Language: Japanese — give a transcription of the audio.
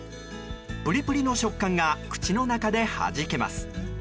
プリプリの食感が口の中ではじけます。